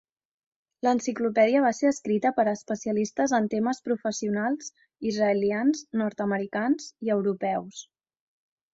L'enciclopèdia va ser escrita per especialistes en temes professionals israelians, nord-americans i europeus.